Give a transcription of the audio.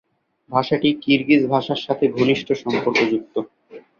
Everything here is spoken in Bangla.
ভাষাটি কিরগিজ ভাষার সাথে ঘনিষ্ঠ সম্পর্কযুক্ত।